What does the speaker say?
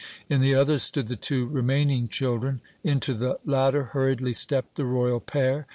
In the other stood the two remaining children. Into the latter hurriedly stepped the Royal pair.